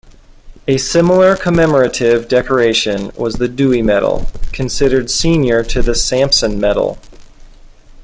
A similar commemorative decoration was the Dewey Medal, considered senior to the Sampson Medal.